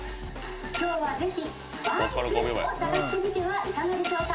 今日はぜひバイクを探してみてはいかがでしょうか？